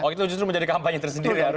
oh itu justru menjadi kampanye tersendiri ya